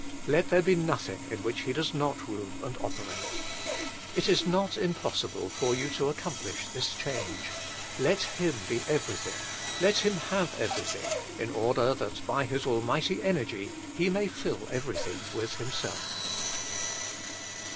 Let there be nothing in which He does not rule and operate. It is not impossible for you to accomplish this change. Let Him be everything ; let Him have everything, in order that by His Almighty energy He may fill everything with Himself.